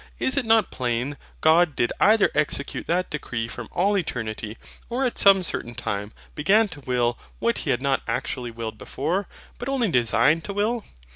Is it not plain, God did either execute that decree from all eternity, or at some certain time began to will what He had not actually willed before, but only designed to will?